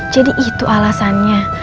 jadi itu alasannya